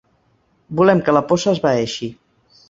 Volem que la por s’esvaeixi.